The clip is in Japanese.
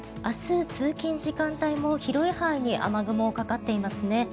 明日、通勤時間帯も広い範囲に雨雲がかかっていますね。